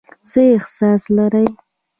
څه احساس لرئ ؟